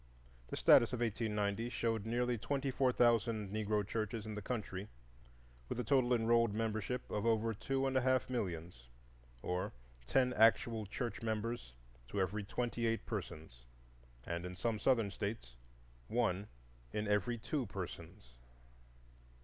The census of 1890 showed nearly twenty four thousand Negro churches in the country, with a total enrolled membership of over two and a half millions, or ten actual church members to every twenty eight persons, and in some Southern States one in every two persons.